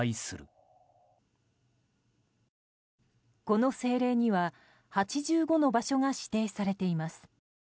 この政令には８５の場所が指定されています。